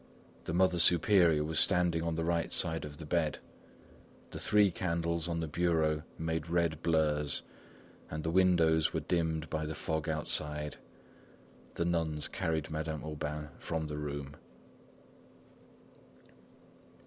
The Mother Superior was standing on the right side of the bed. The three candles on the bureau made red blurs, and the windows were dimmed by the fog outside. The nuns carried Madame Aubain from the room.